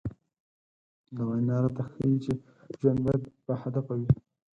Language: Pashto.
دا وينا راته ښيي چې ژوند بايد باهدفه وي.